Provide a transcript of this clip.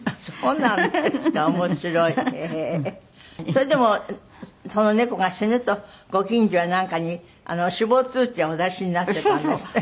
それでもその猫が死ぬとご近所やなんかに死亡通知をお出しになってたんですって？